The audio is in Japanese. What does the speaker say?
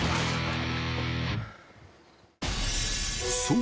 そう！